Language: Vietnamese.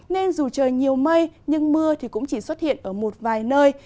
nên dù trời nhiều mây nhưng mưa thì cũng chỉ xuất hiện ở một vài nơi